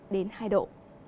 đến hai độ